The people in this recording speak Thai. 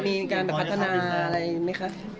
มีการแบบพัฒนาอะไรไหมคะ